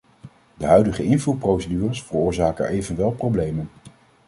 De huidige invoerprocedures veroorzaken evenwel problemen.